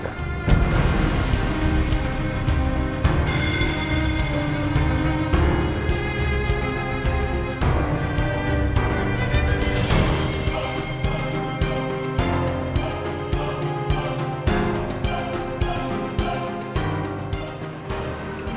terima kasih om